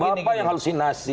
bapak yang halusinasi